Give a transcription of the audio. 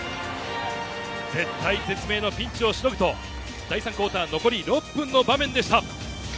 絶体絶命のピンチをしのぐと、第３クオーター、残り６分の場面でした。